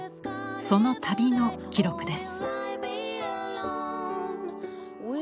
その旅の記録です。